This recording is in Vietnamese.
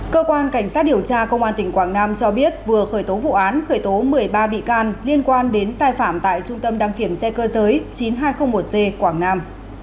cơ quan cảnh sát điều tra công an tỉnh quảng nam cho biết vừa khởi tố vụ án khởi tố một mươi ba bị can liên quan đến sai phạm tại trung tâm đăng kiểm xe cơ giới chín nghìn hai trăm linh một g quảng nam